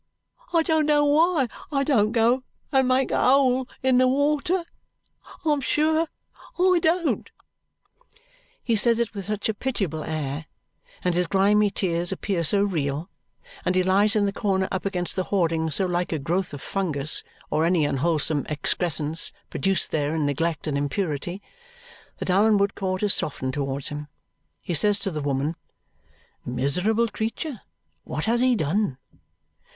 I don't know why I don't go and make a hole in the water, I'm sure I don't." He says it with such a pitiable air, and his grimy tears appear so real, and he lies in the corner up against the hoarding so like a growth of fungus or any unwholesome excrescence produced there in neglect and impurity, that Allan Woodcourt is softened towards him. He says to the woman, "Miserable creature, what has he done?"